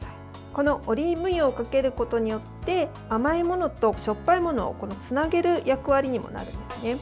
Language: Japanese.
このオリーブ油をかけることによって甘いものとしょっぱいものをつなげる役割にもなるんですね。